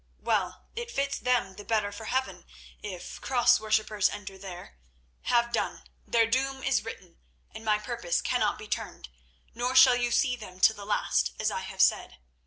Well, it fits them the better for heaven, if Cross worshippers enter there. Have done; their doom is written and my purpose cannot be turned, nor shall you see them till the last, as I have said.